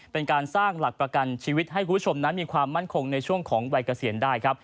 เป็นการสร้างหลักประกันชีวิตให้คุณผู้ชมนั้นมีความมั่นคงในช่วงของวัยเกษียณได้ครับ